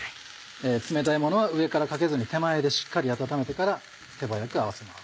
冷たいものは上からかけずに手前でしっかり温めてから手早く合わせます。